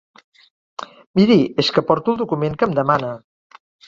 Miri, és que porto el document que em demana.